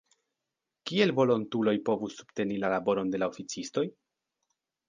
Kiel volontuloj povus subteni la laboron de la oficistoj?